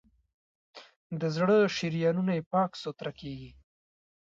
د زړه شریانونه یې پاک سوتړه کېږي.